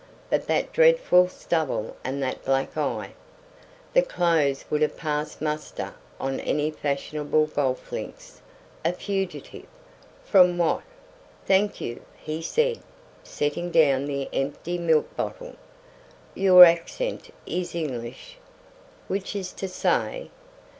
But that dreadful stubble and that black eye! The clothes would have passed muster on any fashionable golf links. A fugitive? From what? "Thank you," he said, setting down the empty milk bottle. "Your accent is English." "Which is to say?"